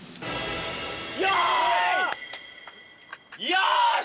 よし！